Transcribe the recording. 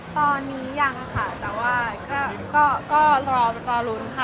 ตรงนี้ยังค่ะแต่ว่าเรารอเป็นกำลังรุนค่ะ